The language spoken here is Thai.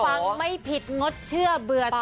ฟังไม่ผิดงดเชื่อเบื่อ